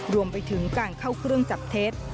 รวมไปถึงการเข้าเครื่องจับเท็จ